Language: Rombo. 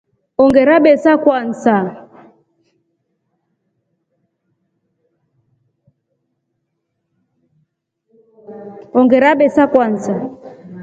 Ongerabesa Kwanza.